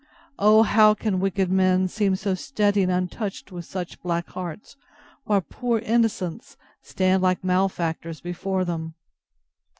O how can wicked men seem so steady and untouched with such black hearts, while poor innocents stand like malefactors before them!